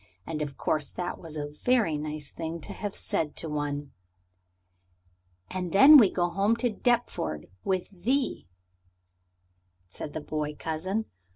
And of course that was a very nice thing to have said to one. "And then we go home to Deptford with thee," said the boy cousin.